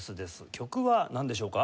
曲はなんでしょうか？